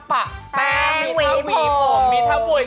โชว์ที่สุดท้าย